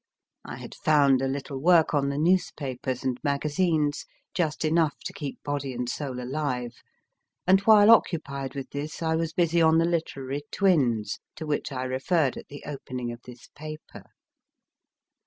I had found a little work on the newspapers and magazines, just enough to keep body and soul alive, and while occupied with this I was busy on the literary twins to which I referred at the opening of this paper.